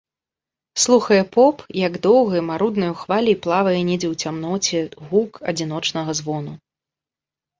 Слухае поп, як доўгай, маруднаю хваляй плавае недзе ў цямноце гук адзіночнага звону.